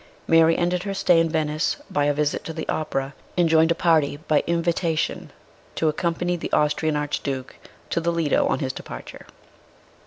Mary ended her stay in Venice by a visit to the Opera, and joined a party, by invitation, to accom 15 228 MRS. SHELLEY. pany the Austrian Archduke to the Lido on his departure.